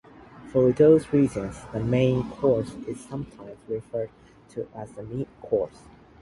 For those reasons the main course is sometimes referred to as the "meat course".